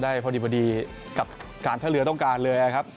พอดีพอดีกับการท่าเรือต้องการเลยนะครับ